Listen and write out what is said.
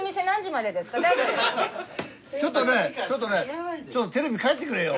ちょっとねちょっとねテレビ帰ってくれよ。